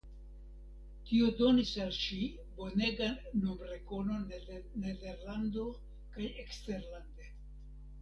Tio donis al ŝi bonegan nomrekonon en Nederlando kaj eksterlande.